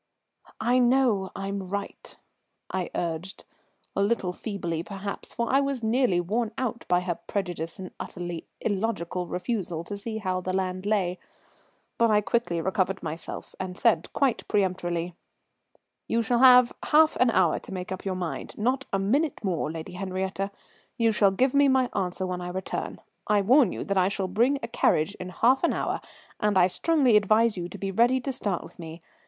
"I know I'm right," I urged, a little feebly perhaps, for I was nearly worn out by her prejudice and utterly illogical refusal to see how the land lay. But I quickly recovered myself, and said quite peremptorily, "You shall have half an hour to make up your mind, not a minute more, Lady Henriette. You shall give me my answer when I return. I warn you that I shall bring a carriage in half an hour, and I strongly advise you to be ready to start with me.